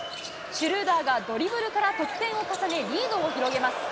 シュルーダーがドリブルから得点を重ね、リードを広げます。